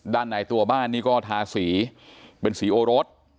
ด้านในตัวบ้านนี่ก็ทาสีเป็นสีโอรส